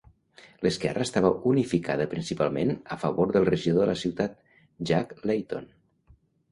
L'esquerra estava unificada principalment a favor del regidor de la ciutat, Jack Layton.